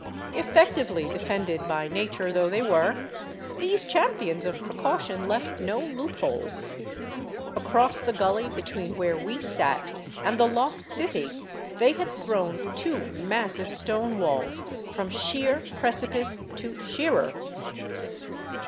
Effectively defended by nature though they were, these champions of precaution left no loopholes. Across the gully between where we sat and the lost city they had thrown two massive stone walls from sheer precipice to sheerer.